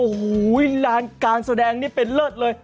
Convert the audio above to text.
โอ้โหลานการแสดงนี่เป็นเลิศเลย